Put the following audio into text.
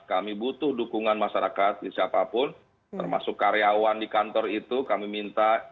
kami butuh dukungan masyarakat siapapun termasuk karyawan di kantor itu kami minta